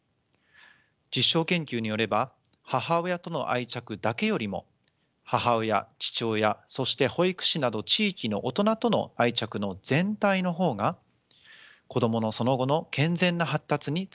実証研究によれば母親との愛着だけよりも母親父親そして保育士など地域の大人との愛着の全体の方が子どものその後の健全な発達につながります。